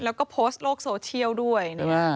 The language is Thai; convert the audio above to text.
แล้วก็โพสต์โลกโซเชียลด้วย